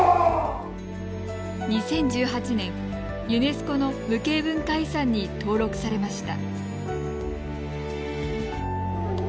２０１８年、ユネスコの無形文化遺産に登録されました。